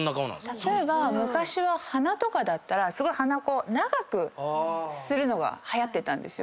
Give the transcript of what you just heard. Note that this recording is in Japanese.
例えば昔は鼻だったらすごい鼻長くするのがはやってたんですよね。